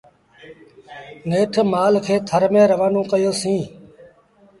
نيٺ مآل کي ٿر ميݩ روآنون ڪيو سيٚݩ۔۔